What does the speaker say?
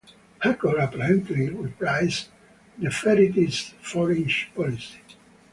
Hakor apparently reprised Nepherites' foreign policy.